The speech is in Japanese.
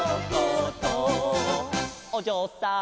「おじょうさん」